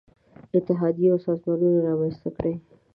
اتحادیې او سازمانونه رامنځته کړي.